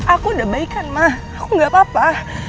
aku udah baik kan ma aku gak apa apa